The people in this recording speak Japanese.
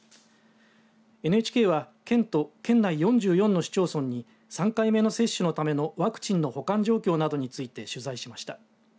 ＮＨＫは県と県内４４の市町村に３回目の接種のためのワクチンの保管状況などについて取材しました。